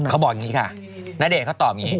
เขาบอกอย่างนี้ค่ะณเดชนเขาตอบอย่างนี้